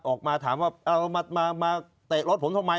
ออกมาถามว่ามาเตะรถผมทำไม